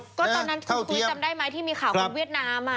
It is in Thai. เพราะตอนนั้นคุณชุวิตจำได้ไหมที่มีข่าวของเวียดนามอ่ะ